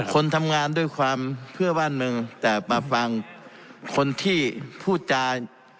คนทำงานด้วยความเพื่อบ้านเมืองแต่มาฟังคนที่พูดจา